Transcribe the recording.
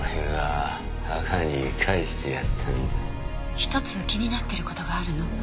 １つ気になってる事があるの。